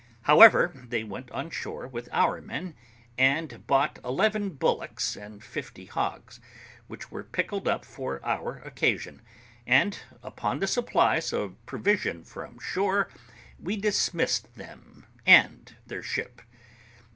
However, they went on shore with our men, and bought eleven bullocks and fifty hogs, which were pickled up for our occasion; and upon the supplies of provision from shore, we dismissed them and their ship.